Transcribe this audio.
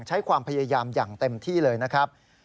ใช้ความพยายามอย่างเต็มที่เลยนะครับ